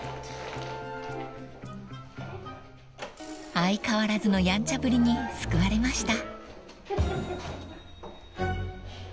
［相変わらずのやんちゃぶりに救われました］